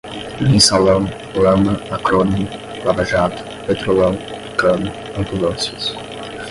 mensalão, lama, acrônimo, lava-jato, petrolão, tucano, ambulâncias